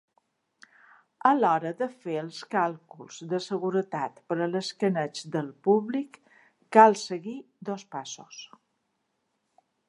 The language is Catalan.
A l'hora de fer els càlculs de seguretat per a l'escaneig del públic, cal seguir dos passos.